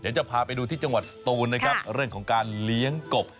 จะพาไปดูที่จังหวัดสตูนนะครับเรื่องของการเลี้ยงกบ